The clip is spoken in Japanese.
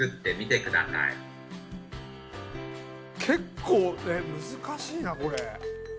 結構難しいなこれ。